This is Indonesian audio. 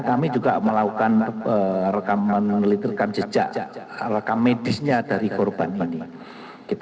kami juga melakukan selected jejak'll camouflage after emily dening